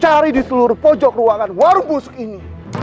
cari di seluruh pojok ruangan warung busuk ini